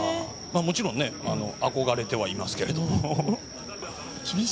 もちろん憧れてはいますけども。